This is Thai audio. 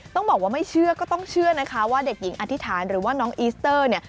ต้องบอกว่าไม่เชื่อก็ต้องเชื่อนะคะว่าเด็กหญิงอธิษฐานหรือว่าน้องอีสเตอร์เนี่ย